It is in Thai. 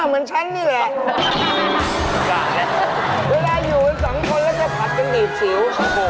เวลาอยู่สองคนละก็แบบผัดกันดีชิ้ว